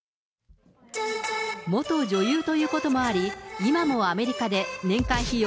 元女優ということもあり、今もアメリカで年間費用